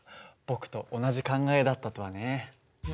僕と同じ考えだったとはね。